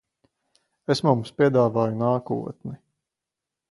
Es mums piedāvāju nākotni.